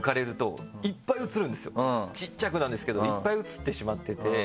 小っちゃくなんですけどいっぱい映ってしまってて。